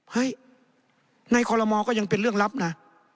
เฮ้ยในคอลโมก็ยังเป็นเรื่องลับนะ